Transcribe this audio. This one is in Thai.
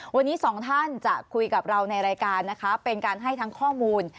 วันนี้สองท่านจะคุยกับเราในรายการนะคะเป็นการให้ทั้งข้อมูล